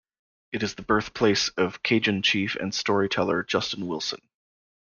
It is the birthplace of Cajun chef and storyteller Justin Wilson.